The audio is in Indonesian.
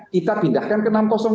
kita pindahkan ke enam ratus dua